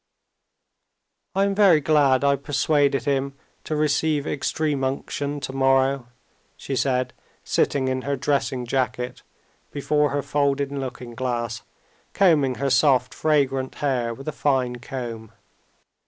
"I am very glad I persuaded him to receive extreme unction tomorrow," she said, sitting in her dressing jacket before her folding looking glass, combing her soft, fragrant hair with a fine comb.